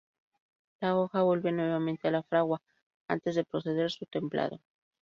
La hoja vuelve nuevamente a la fragua antes de proceder a su templado.